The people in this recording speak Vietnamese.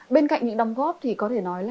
bên cạnh những đóng góp thì có thể nói là